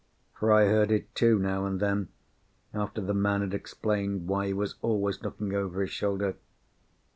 For I heard it, too, now and then, after the man had explained why he was always looking over his shoulder.